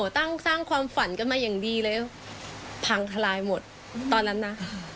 ตั้งสร้างความฝันกันมาอย่างดีเลยพังทลายหมดตอนนั้นนะ